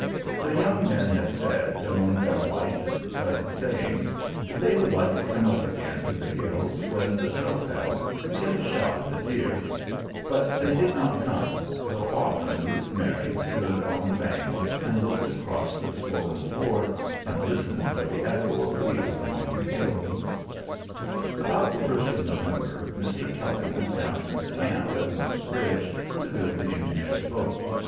The young men had said, among their light and pleasant sayings, that they would like to come up again to the hills when the snow fell, and get a shot at the deer; but they did not come, though often Ruth Mary stood on the bank and looked across the swollen ford, and listened for the echo of wheels among the hills. About the 1st of November Mr. Tully went down to the camp at Moor's Bridge to build the engineers' boat.